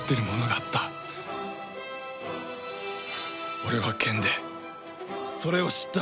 俺は剣でそれを知った。